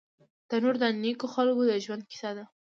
تنور د نیکو خلکو د ژوند کیسه ده